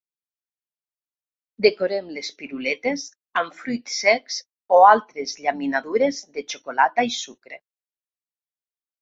Decorem les piruletes amb fruits secs o altres llaminadures de xocolata i sucre.